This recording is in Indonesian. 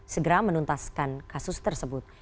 segera menuntaskan kasus tersebut